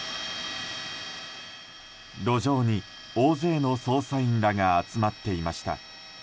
路上に大勢の捜査員らが集まっていました。